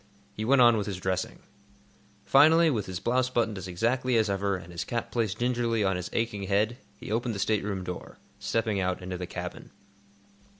He went on with his dressing. Finally, with his blouse buttoned as exactly as ever, and his cap placed gingerly on his aching head, he opened the stateroom door, stepping out into the cabin.